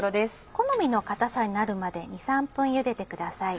好みの硬さになるまで２３分ゆでてください。